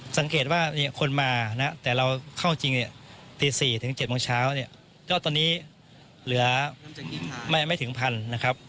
สังเกตว่าเนี่ยคนมานะแต่เราเข้าจริงตี๔๗โมงเช้าเนี่ยจ้อตอนนี้เหลือไม่ถึงพันนะครับ